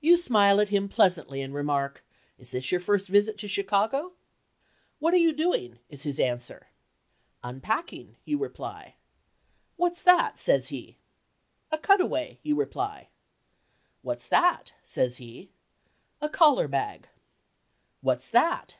You smile at him pleasantly and remark, "Is this your first visit to Chicago?" "What are you doing?" is his answer. "Unpacking," you reply. "What's that?" says he. "A cutaway," you reply. "What's that?" says he. "A collar bag." "What's that?"